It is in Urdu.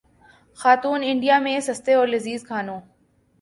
خاتون انڈیا میں سستے اور لذیذ کھانوں